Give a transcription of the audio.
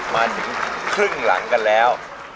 มาถึงครึ่งหลังกันแล้ว